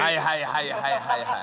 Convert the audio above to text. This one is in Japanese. はいはいはいはい。